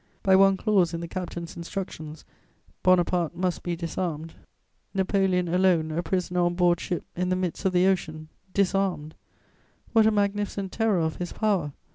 By one clause in the captain's instructions, "Bonaparte must be disarmed:" Napoleon alone, a prisoner on board ship, in the midst of the Ocean, "disarmed!" What a magnificent terror of his power!